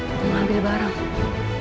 mau ambil barang